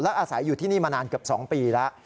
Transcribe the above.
อาศัยอยู่ที่นี่มานานเกือบ๒ปีแล้ว